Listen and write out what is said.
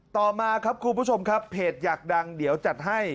ต่อมาครับคุณผู้ชมครับเพจอยากดังเดี๋ยวจัดให้